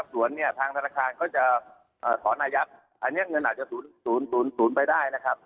ทางธนาคารก็จะขออายัดอันนี้เงินอาจจะสูญไปได้นะครับ